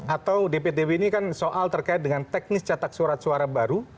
atau dpdb ini kan soal terkait dengan teknis catak surat suara baru